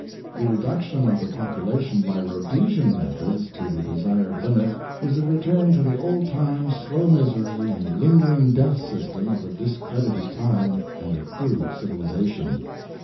The reduction of the population by Rhodesian methods to the desired limit is a return to the old time slow misery and lingering death system of a discredited time and a crude "civilization."